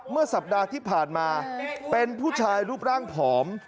เมื่อสัปดาห์ที่ผ่านมาเป็นผู้ชายรูปร่างผอม